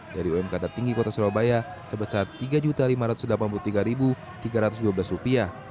dari umk tertinggi kota surabaya sebesar rp tiga lima ratus delapan puluh tiga tiga ratus dua belas